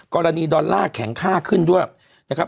กรณีดอลลาร์แข็งค่าขึ้นด้วยนะครับ